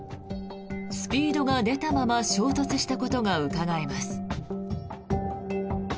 スピードが出たまま衝突したことがうかがえます。